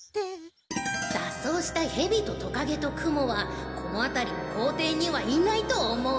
だっそうしたヘビとトカゲとクモはこのあたりの校庭にはいないと思う。